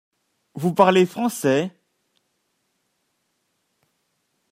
Vous parlez français ?